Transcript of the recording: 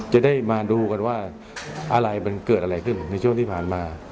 จะได้มาดูกันว่าอะไรมันเกิดอะไรขึ้นในช่วงที่ผ่านมา